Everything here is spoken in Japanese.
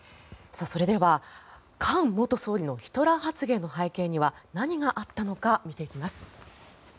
それでは菅元総理のヒトラー発言の背景には何があったのか見ていきます。